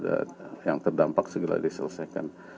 apabila ada yang terdampak segera diselesaikan